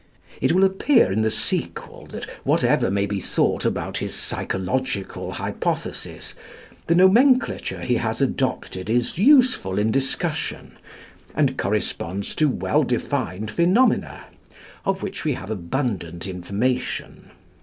It will appear in the sequel that whatever may be thought about his psychological hypothesis, the nomenclature he has adopted is useful in discussion, and corresponds to well defined phenomena, of which we have abundant information.